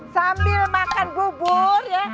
sambil makan bubur ya